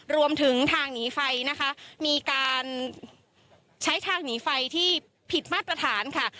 รวมถึงทางหนีไฟนะคะมีการใช้ทางหนีไฟที่ผิดมาตรฐานค่ะ